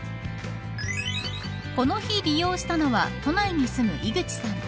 この日、利用したのは都内に住む井口さん。